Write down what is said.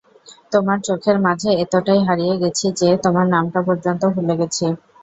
তোমার চোখের মাঝে এতোটাই হারিয়ে গেছি যে তোমার নামটা পর্যন্ত ভুলে গেছি।